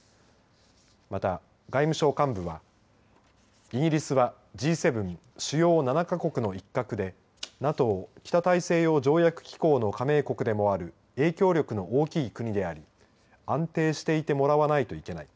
また、外務省幹部はイギリスは、Ｇ７主要７か国の一角でＮＡＴＯ、北大西洋条約機構の加盟国でもある影響力の大きい国であり安定していてもらわないといけない。